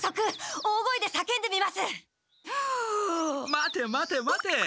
待て待て待て。